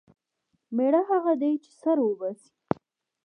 مېړه هغه دی چې سر وباسي.